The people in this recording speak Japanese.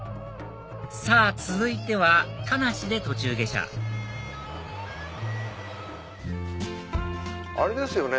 さぁ続いては田無で途中下車あれですよね